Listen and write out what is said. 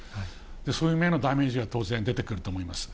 そういう面のダメージは当然、出てくると思います。